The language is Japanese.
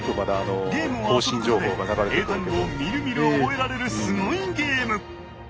ゲームを遊ぶことで英単語をみるみる覚えられるすごいゲーム！